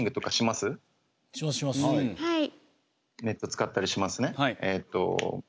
ネット使ったりしますね。